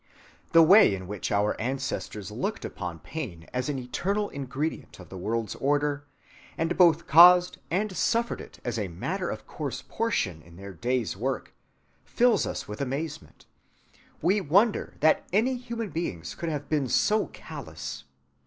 The way in which our ancestors looked upon pain as an eternal ingredient of the world's order, and both caused and suffered it as a matter‐of‐course portion of their day's work, fills us with amazement. We wonder that any human beings could have been so callous.